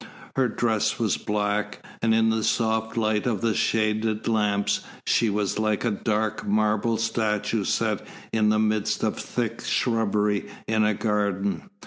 Her dress was black, and in the soft light of the shaded lamps she was like a dark, marble statue set in the midst of thick shrubbery in a garden.